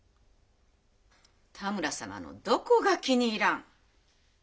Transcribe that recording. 多村様のどこが気に入らん？